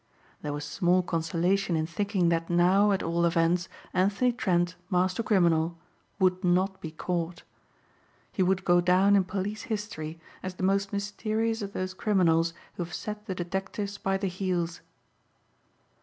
There was small consolation in thinking that now, at all events, Anthony Trent, master criminal would not be caught. He would go down in police history as the most mysterious of those criminals who have set the detectives by the heels.